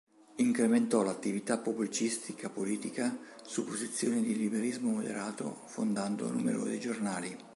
Incrementò l'attività pubblicistica politica su posizioni di liberalismo moderato fondando numerosi giornali.